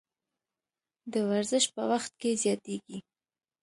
د ورزش په وخت کې زیاتیږي.